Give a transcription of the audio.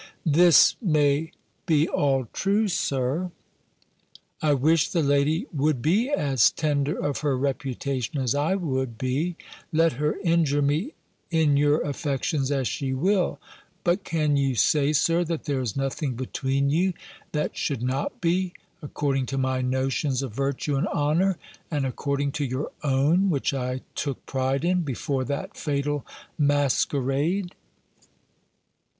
"This may be all true. Sir: I wish the lady would be as tender of her reputation as I would be, let her injure me in your affections as she will. But can you say, Sir, that there is nothing between you, that should not be, according to my notions of virtue and honour, and according to your own, which I took pride in, before that fatal masquerade?